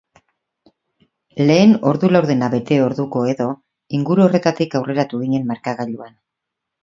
Lehen ordu laurdena bete orduko edo inguru horretatik aurreratu ginen markagailuan.